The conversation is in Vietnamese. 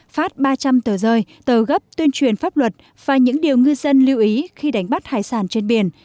phát ba trăm linh tờ rơi tờ gấp tuyên truyền pháp luật và những điều ngư dân lưu ý khi đánh bắt hải sản trên biển